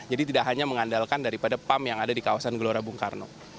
jadi tidak hanya mengandalkan daripada pump yang ada di kawasan gelora bung karno